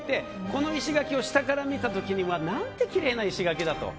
この石垣を下から見た時に何てきれいな石垣だと。